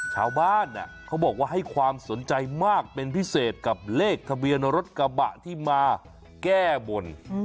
ชาวบ้านเขาบอกว่าให้ความสนใจมากเป็นพิเศษกับเลขทะเบียนรถกระบะที่มาแก้บน